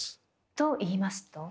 といいますと？